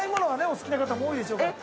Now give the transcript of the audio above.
お好きな方も多いでしょうから。